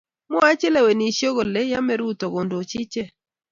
Mwoe chelewenishei kole emei Ruto kondoichi ichek